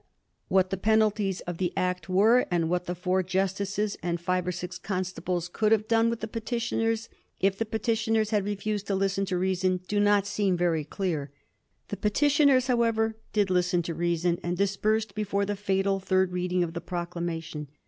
What the penalties of the Act were, and what the four Jus tices and five or six constables could have done with the petitioners if the petitioners had refused to listen to reason, do not seem very clear. The petitioners, however, did listen to reason, and dispersed before the fatal third reading of the proclamation.